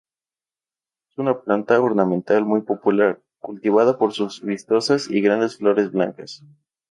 Es una planta ornamental muy popular, cultivada por sus vistosas y grandes flores blancas.